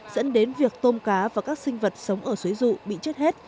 dẫn đến việc tôm cá và các sinh vật sống ở suối rụ bị chết hết